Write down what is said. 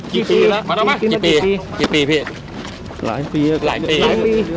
กี่ปีแล้วมานอกมากี่ปีหลายปีหลายปี